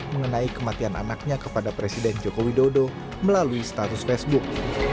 mengenai kematian anaknya kepada presiden joko widodo melalui status facebook